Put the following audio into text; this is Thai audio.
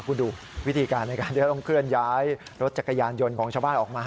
คุณดูวิธีการในการที่จะต้องเคลื่อนย้ายรถจักรยานยนต์ของชาวบ้านออกมา